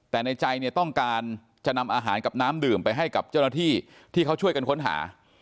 แต่ในใจเนี่ยต้องการจะนำอาหารกับน้ำดื่มไปให้กับเจ้าหน้าที่ที่เขาช่วยกันค้นหา